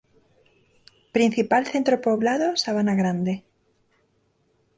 Principal centro poblado Sabana Grande.